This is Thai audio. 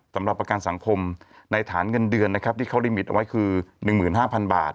สำหรับประกันสังคมในฐานเงินเดือนนะครับที่เขาลิมิตเอาไว้คือ๑๕๐๐๐บาท